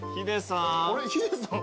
ヒデさん。